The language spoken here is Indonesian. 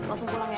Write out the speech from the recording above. masuk pulang ya